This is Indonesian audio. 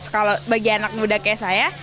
kalau bagi anak muda kayak saya